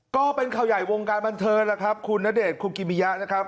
ก็เป็นข่าวใหญ่วงการบันเทิงแล้วครับคุณณเดชนคุกิมิยะนะครับ